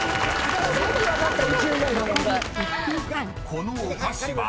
［このお菓子は？］